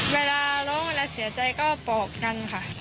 เวลาร้องเวลาเสียใจก็ปอกกันค่ะ